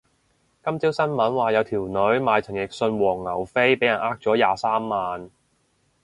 今朝新聞話有條女買陳奕迅黃牛飛俾人呃咗廿三萬